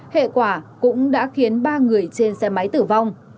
hệ quả cũng đã khiến ba người trên xe máy tử vong